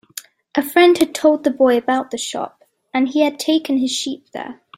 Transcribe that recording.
A friend had told the boy about the shop, and he had taken his sheep there.